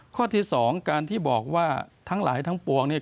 ข้อที่สองการที่บอกว่าทั้งหลายทั้งปวงเนี่ย